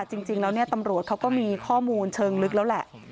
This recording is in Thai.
จริงแล้วตำรวจเขาก็มีข้อมูลเชิงลึกแล้วแหละ